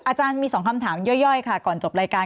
อาจารย์มี๒คำถามย่อยค่ะก่อนจบรายการ